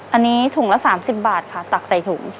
อันนี้ถุงละ๓๐บาทค่ะตักใส่ถุง